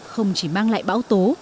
không chỉ mang lại bão tố